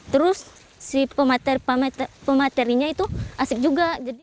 terus si pematerinya itu asik juga